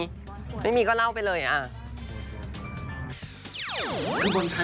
ไม่ค่อยไม่มีก็เล่าไปเลยอ่ะอ่า